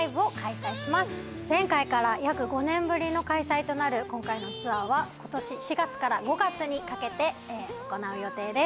前回から約５年ぶりの開催となる今回のツアーは今年４月から５月にかけて行う予定です。